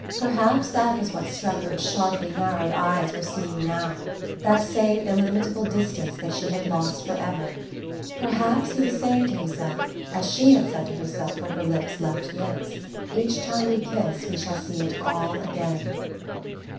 Perhaps that was what Strefford's sharply narrowed eyes were seeing now, that same illimitable distance that she had lost forever perhaps he was saying to himself, as she had said to herself when her lips left Nick's: "Each time we kiss we shall see it all again...."